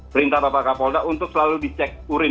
perintah bapak kapolda untuk selalu diberikan pengawasan